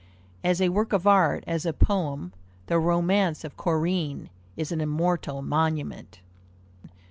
As a work of art, as a poem, the romance of Corinne is an immortal monument."